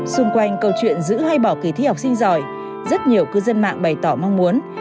xung quanh câu chuyện giữ hay bỏ kỳ thi học sinh giỏi rất nhiều cư dân mạng bày tỏ mong muốn